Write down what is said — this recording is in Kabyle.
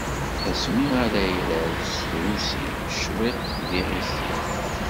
Asmi ara irad s trusi, cwiṭ d iɣisi.